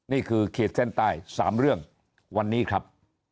ขีดเส้นใต้๓เรื่องวันนี้ครับ